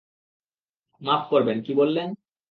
মাফ করবেন, কী বললেন?